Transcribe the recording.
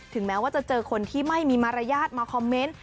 แม้ว่าจะเจอคนที่ไม่มีมารยาทมาคอมเมนต์